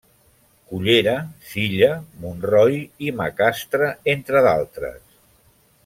Cullera, Silla, Montroi i Macastre, entre d'altres.